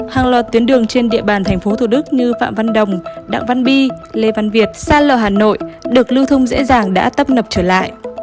hàng loạt tuyến đường trên địa bàn tp thủ đức như phạm văn đồng đặng văn bi lê văn việt sa lờ hà nội được lưu thông dễ dàng đã tấp nập trở lại